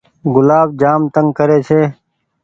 گلآب جآم تنگ ڪري ڇي۔